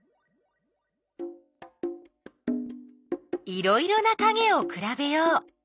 いろいろなかげをくらべよう！